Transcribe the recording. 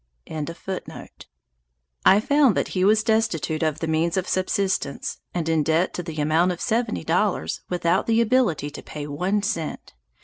] I found that he was destitute of the means of subsistence, and in debt to the amount of seventy dollars, without the ability to pay one cent.